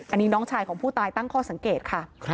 อันนี้น้องชายของผู้ตายตั้งข้อสังเกตค่ะ